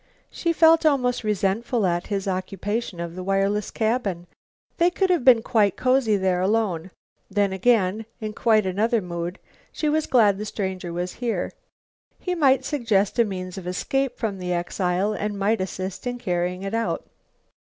She felt almost resentful at his occupation of the wireless cabin. They could have been quite cozy there alone. Then again, in quite another mood, she was glad the stranger was here; he might suggest a means of escape from the exile and might assist in carrying it out.